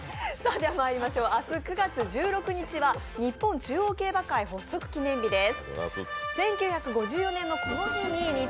明日９月１６日は日本中央競馬会発足記念日です。